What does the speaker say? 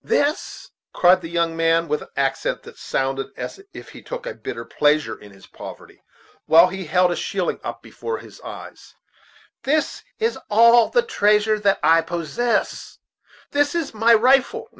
"This," cried the young man, with an accent that sounded as if he took a bitter pleasure in his poverty, while he held a shilling up before his eyes, "this is all the treasure that I possess this and my rifle!